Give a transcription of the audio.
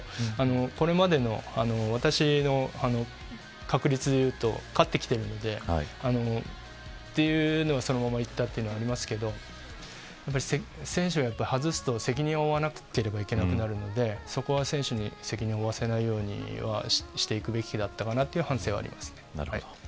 これまでの私の確率でいうと勝ってきているのでというのでそのまま行ったというのがありますけど選手が外すと責任を負わなければいけなくなるのでそこは選手に責任を負わせないようにはしていくべきだったかなという反省はあります。